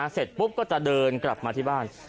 เสร็จปุ๊บก็จะเดินกลับมาที่บ้าน